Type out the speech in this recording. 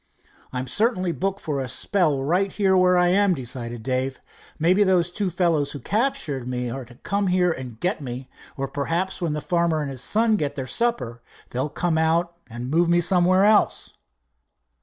"I'm certainly booked for a spell right where I am," decided Dave. "Maybe those two fellows who captured me are to come here to get me or perhaps when the farmer and his son get their supper they'll come out and move me somewhere else."